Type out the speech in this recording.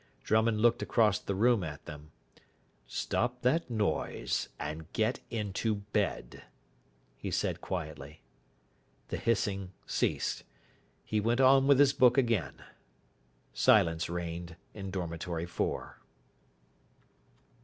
Drummond looked across the room at them. "Stop that noise, and get into bed," he said quietly. The hissing ceased. He went on with his book again. Silence reigned in dormitory four.